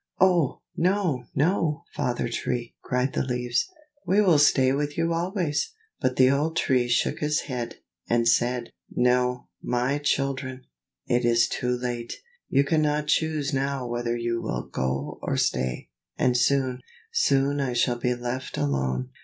"Oh, no! no! Father Tree," cried the leaves, "we will stay with you always." But the old Tree shook his head, and said, "No, my children! it is too late. You cannot choose now whether you will go or stay, and soon, soon I shall be left alone."